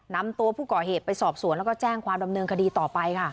นำตัวผู้ก่อเหตุไปสอบสวนแล้วก็แจ้งความดำเนินคดีต่อไปค่ะ